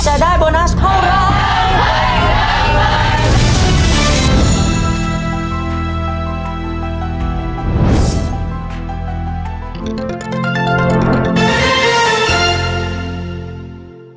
จะได้โบนัสเท่านั้น